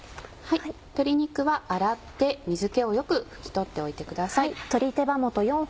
鶏肉は洗って水気をよく拭き取っておいてください。